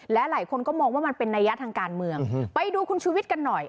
และหลายคนก็มองว่ามันเป็นนัยยะทางการเมืองไปดูคุณชุวิตกันหน่อย